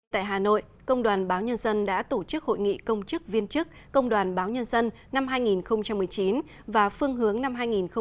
tại hà nội công đoàn báo nhân dân đã tổ chức hội nghị công chức viên chức công đoàn báo nhân dân năm hai nghìn một mươi chín và phương hướng năm hai nghìn hai mươi